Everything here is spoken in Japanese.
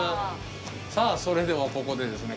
さあそれではここでですね